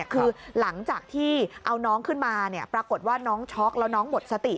คือหลังจากที่เอาน้องขึ้นมาปรากฏว่าน้องช็อกแล้วน้องหมดสติ